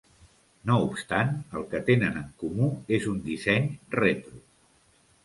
No obstant, el que tenen en comú és un disseny retro.